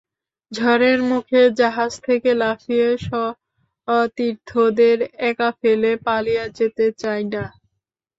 ঝড়ের মুখে জাহাজ থেকে লাফিয়ে সতীর্থদের একা ফেলে পালিয়ে যেতে চাই না।